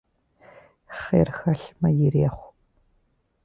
Хъер хэлъмэ, ирехъу.